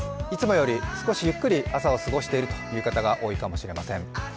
いつもより少しゆっくり朝を過ごしているという方が多いかもしれません。